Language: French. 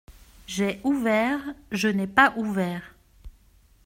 J’ai ouvert, je n’ai pas ouvert.